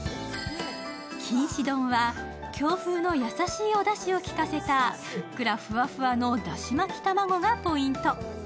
きんし丼は、京風の優しいおだしをきかせたふっくらふわふわのだし巻き卵がポイント。